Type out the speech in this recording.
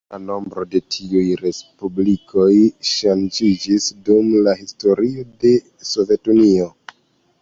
La nombro de tiuj respublikoj ŝanĝiĝis dum la historio de Sovetunio.